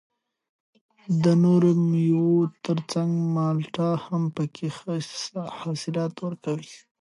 د نورو مېوو تر څنګ مالټه هم پکې ښه حاصلات ورکوي